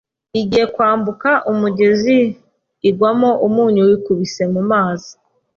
igiye kwambuka umugezi igwamo Umunyu wikubise mu mazi